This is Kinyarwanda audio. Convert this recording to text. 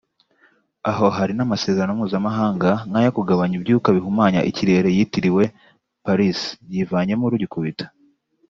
aho hari n’amasezerano mpuzamahanga nk’ayo kugabanya ibyuka bihumanya ikirere yitiriwe Paris yivanyemo rugikubita